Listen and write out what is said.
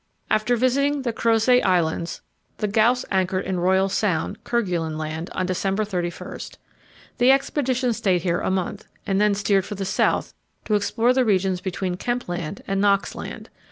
After visiting the Crozet Islands, the Gauss anchored in Royal Sound, Kerguelen Land, on December 31. The expedition stayed here a month, and then steered for the south to explore the regions between Kemp Land and Knox Land.